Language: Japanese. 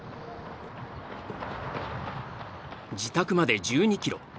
自宅まで１２キロ。